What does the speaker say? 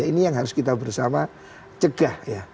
ini yang harus kita bersama cegah ya